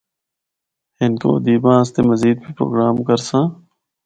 ہندکو ادیباں آسطے مزید بھی پروگرام کرساں۔